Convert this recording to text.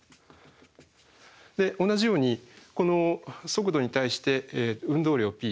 で同じようにこの速度に対して運動量ｐと。